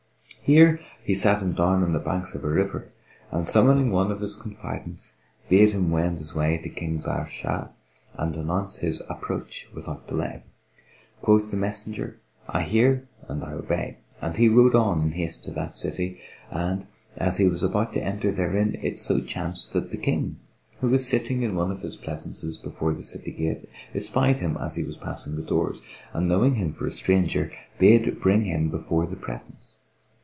Here he sat him down on the banks of a river and, summoning one of his confidants, bade him wend his way to King Zahr Shah and announce his approach without delay. Quoth the messenger, "I hear and I obey!" And he rode on in haste to that city and, as he was about to enter therein, it so chanced that the King, who was sitting in one of his pleasaunces before the city gate, espied him as he was passing the doors, and knowing him for a stranger, bade bring him before the presence.